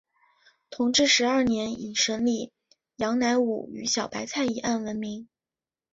同治十二年以审理杨乃武与小白菜一案闻名。